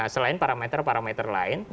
selain parameter parameter lain